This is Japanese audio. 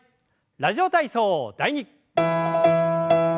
「ラジオ体操第２」。